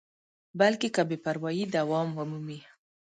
بلکې که بې پروایي دوام ومومي.